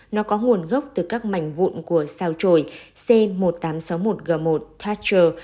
nó có nguồn gốc từ các mảnh vụn của xào trồi c một nghìn tám trăm sáu mươi một g một thatcher